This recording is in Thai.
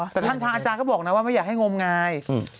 แต่ท่านทางอาจารย์ก็บอกนะว่าไม่อยากให้งมงาย